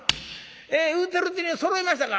え言うてるうちにそろいましたか？